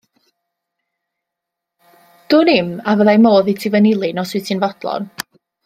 Dwn i'm a fyddai modd iti fy nilyn os wyt ti'n fodlon?